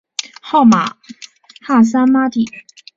号玛哈萨嘛谛。